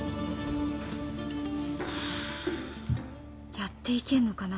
やっていけんのかな？